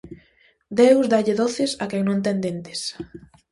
Deus dálle doces a quen non ten dentes.